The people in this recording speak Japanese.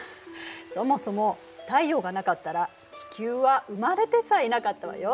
そもそも太陽がなかったら地球は生まれてさえいなかったわよ。